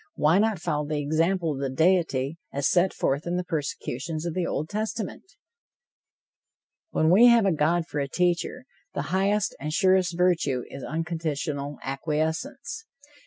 Why not follow the example of the deity, as set forth in the persecutions of the Old Testament? When we have a God for a teacher, the highest and surest virtue is unconditional acquiescence.